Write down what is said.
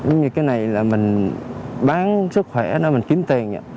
giống như cái này là mình bán sức khỏe đó mình kiếm tiền